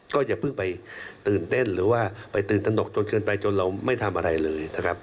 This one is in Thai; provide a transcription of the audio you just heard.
ก็อย่าเพิ่งไปตื่นเต้นหรือว่าไปตื่นตนกจนเกินไปจนเราไม่ทำอะไรเลยนะครับ